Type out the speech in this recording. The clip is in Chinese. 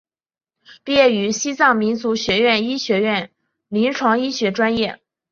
毕业于西藏民族学院医学院临床医学专业。